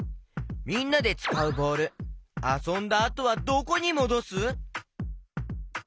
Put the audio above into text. みんなでつかうボールあそんだあとはどこにもどす？